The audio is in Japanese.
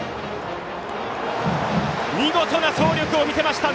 見事な走力を見せました！